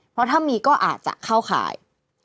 เพราะถ้ามีก็อาจจะเข้าข่าย